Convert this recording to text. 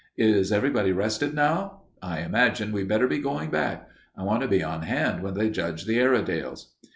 Is everybody rested now? I imagine we'd better be going back. I want to be on hand when they judge the Airedales."